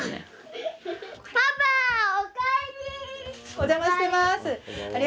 お邪魔してます。